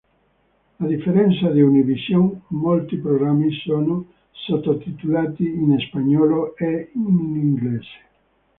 A differenza di Univision, molti programmi sono sottotitolati in spagnolo e in inglese.